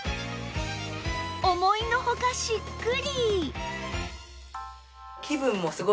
思いのほかしっくり！